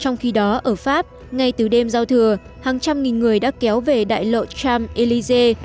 trong khi đó ở pháp ngay từ đêm giao thừa hàng trăm nghìn người đã kéo về đại lộ cham elize